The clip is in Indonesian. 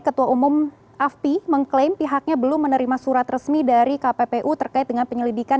ketua umum afpi mengklaim pihaknya belum menerima surat resmi dari kppu terkait dengan penyelidikan